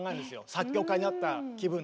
作曲家になった気分で。